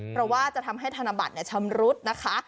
เพราะว่าจะทำให้ธนบัตรชำรุดนะคะ